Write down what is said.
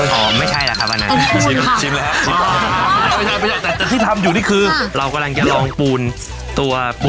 สวัสดีครับสวัสดีครับสวัสดีครับ